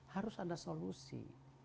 harus ada solusi